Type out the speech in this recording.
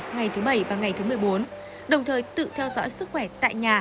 ngày thứ bảy và ngày thứ một mươi bốn đồng thời tự theo dõi sức khỏe tại nhà